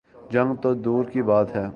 جنگ تو دور کی بات ہے۔